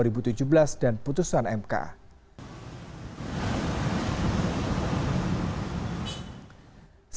sebelumnya badan pengawas pemilihan umum telah meloloskan puluhan calon legislator mantan narapi dana korupsi